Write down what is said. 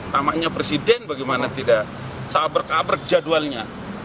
namanya presiden bagaimana tidak sabar kabar jadwalnya